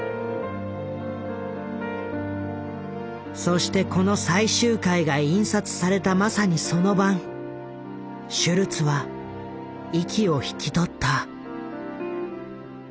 そしてこの最終回が印刷されたまさにその晩シュルツは息を引き取った。